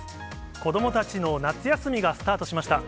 子どもたちの夏休みがスタートしました。